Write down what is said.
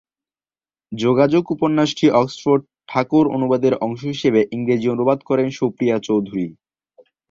যোগাযোগ উপন্যাসটি অক্সফোর্ড ঠাকুর অনুবাদের অংশ হিসেবে ইংরেজি অনুবাদ করেন সুপ্রিয়া চৌধুরী।